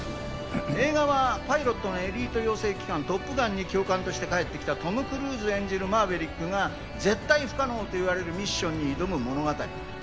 映画はパイロットのエリート養成機関・トップガンに教官として帰ってきたトム・クルーズ演じるマーヴェリックが絶対不可能といわれるミッションに挑む物語。